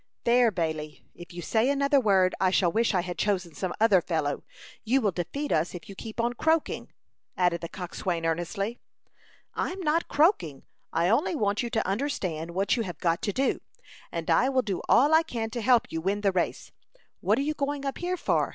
"There, Bailey, if you say another word, I shall wish I had chosen some other fellow. You will defeat us if you keep on croaking," added the coxswain, earnestly. "I'm not croaking. I only want you to understand what you have got to do; and I will do all I can to help you win the race. What are you going up here for?"